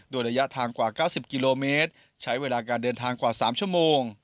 โดยระยะทางกว่า๙๐กิโลเมตรใช้เวลาการเดินทางกว่า๓ชั่วโมง